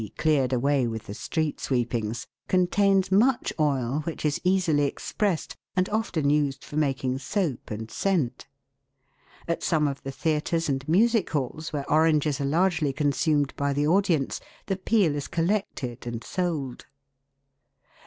cleared away with the street sweepings contains much oil, which is easily expressed, and often used for making soap and scent. At some of the theatres and music halls, where oranges are largely consumed by the audience, the peel is collected and sold.